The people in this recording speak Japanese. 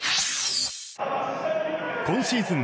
今シーズン